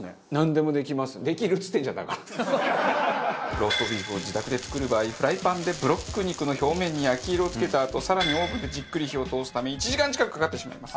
ローストビーフを自宅で作る場合フライパンでブロック肉の表面に焼き色を付けたあと更にオーブンでじっくり火を通すため１時間近くかかってしまいます。